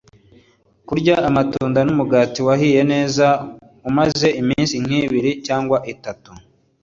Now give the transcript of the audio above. kurya amatunda n'umugati wahiye neza umaze iminsi nk'ibiri cyangwa itatu, bituma tugira amagara mazima kuruta gukoresha umugati ukiri mushyashya